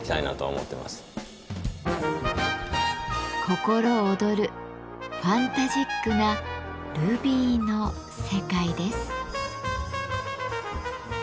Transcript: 心躍るファンタジックなルビーの世界です。